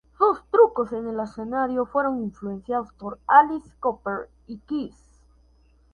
Sus trucos en el escenario fueron influenciados por Alice Cooper y Kiss.